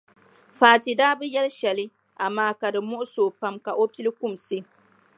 Fati daa bi yɛli shɛli amaa ka di muɣisi o pam ka o pili kumsi.